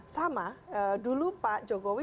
sama dulu pak jokowi